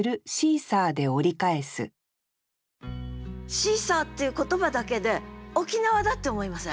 「シーサー」っていう言葉だけで沖縄だって思いません？